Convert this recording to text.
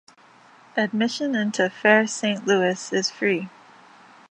Admission into Fair Saint Louis is free.